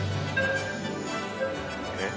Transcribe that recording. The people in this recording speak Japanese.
えっ？